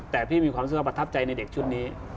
แต่พี่มีความรู้สึกว่าประทับใจในเด็กชุดนี้